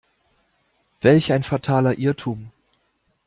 Welch ein fataler Irrtum!